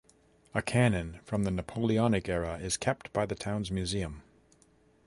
A cannon from the Napoleonic era is kept by the town's museum.